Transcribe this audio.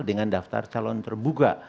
dengan daftar calon terbuka